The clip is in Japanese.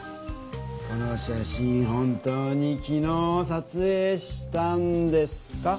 この写真本当にきのうさつえいしたんですか？